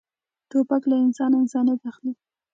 توپک له انسانه انسانیت اخلي.